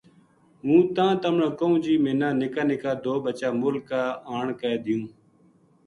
ہوں تاں تمنا کہوں جی منا نِکا نِکا دو بچا مل کا آن کے دیوں